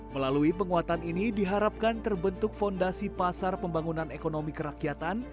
melalui penguatan ini diharapkan terbentuk fondasi pasar pembangunan ekonomi kerakyatan